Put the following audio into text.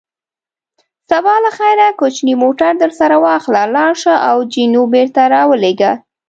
سبا له خیره کوچنی موټر درسره واخله، ولاړ شه او جینو بېرته را ولېږه.